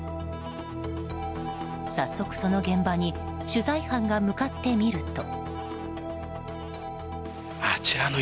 早速、その現場に取材班が向かってみると。